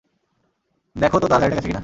দেখো তো তার গাড়িটা গেছে কিনা।